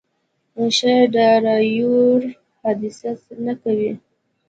ښه ډرایور حادثه نه کوي.